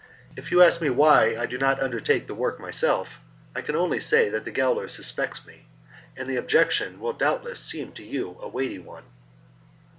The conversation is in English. If you ask me why I do not undertake the work myself, I can only say that the gaoler suspects me, and the objection will doubtless seem to you a weighty one."